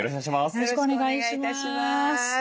よろしくお願いします。